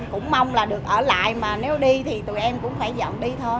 cũng mong là được ở lại mà nếu đi thì tụi em cũng phải dọn đi thôi